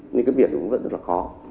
nhưng cái việc vẫn rất là khó